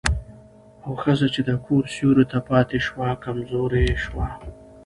او ښځه چې د کور سيوري ته پاتې شوه، کمزورې شوه.